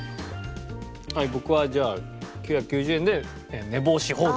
僕はじゃあ９９０円で寝坊し放題。